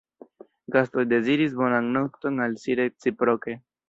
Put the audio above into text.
Gastoj deziris bonan nokton al si reciproke.